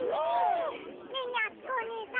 ねえねえあつこおねえさん。